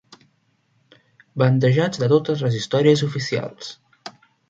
Bandejats de totes les històries oficials.